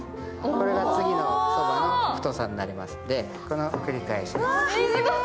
これが次のそばの太さになりますので、これの繰り返しです。